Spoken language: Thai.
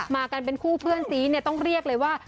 มากันเป็นคู่เพื่อนซีเนี่ยต้องเรียกเลยว่า